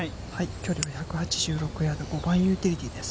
距離２６８ヤード、５番ユーティリティです。